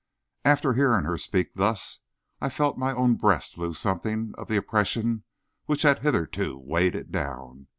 And hearing her speak thus, I felt my own breast lose something of the oppression which had hitherto weighed it down.